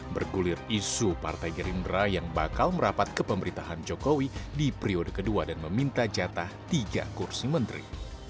bergulir isu partai gerindra yang bakal merapat ke pemerintahan jokowi di periode kedua dan meminta jatah tiga kursi menteri